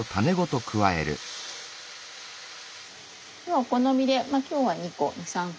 お好みで今日は２個２３個。